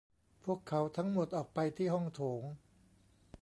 พวกเขาทั้งหมดออกไปที่ห้องโถง